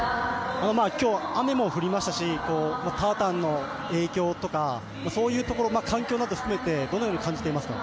今日、雨も降りましたし影響とかそういうところ、環境なども含めてどのように感じていますか。